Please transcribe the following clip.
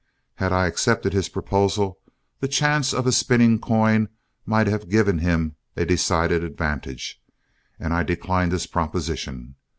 Had I accepted his proposal, the chance of a spinning coin might have given him a decided advantage, and I declined his proposition.